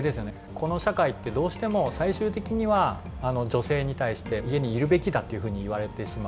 この社会ってどうしても最終的には女性に対して家にいるべきだというふうに言われてしまう。